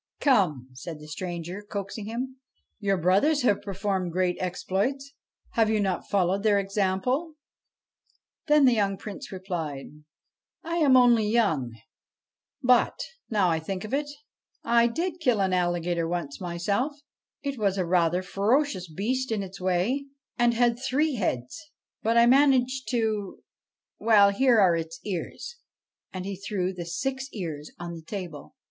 ' Come,' said the stranger, coaxing him ;' your brothers have performed great exploits : have you not followed their example ?' Then the young Prince replied :' I am only young ; but, now I think of it, I did kill an alligator once, myself. It was a rather ferocious beast in its way, and had three heads ; but I managed to well, here are its ears.' And he threw the six ears on the table.